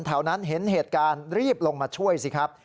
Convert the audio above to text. แถวนั้นเห็นเหตุการณ์รีบลงมาช่วยสิครับ